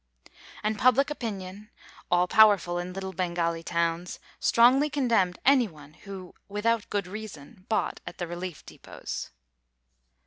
And public opinion, all powerful in little Bengali towns, strongly condemned any one who without good reason, bought at the relief depots.